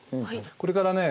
これからね